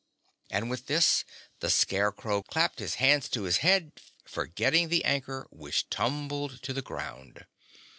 And with this the Scarecrow clapped his hands to his head, forgetting the anchor, which tumbled to the ground.